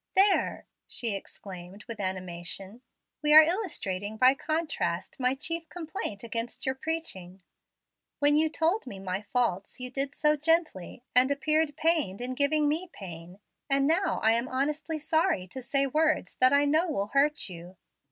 "There!" she exclaimed with animation, "we are illustrating by contrast my chief complaint against your preaching. When you told me my faults you did so gently, and appeared pained in giving me pain; and now I am honestly sorry to say words that I know will hurt you.